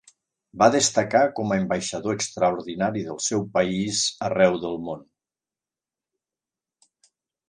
Va destacar com a ambaixador extraordinari del seu país arreu del món.